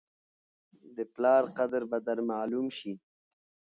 د پلار قدر به در معلوم شي !